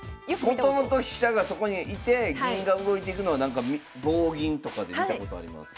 もともと飛車がそこに居て銀が動いていくのは棒銀とかで見たことあります。